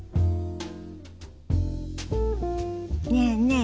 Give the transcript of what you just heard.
ねえねえ。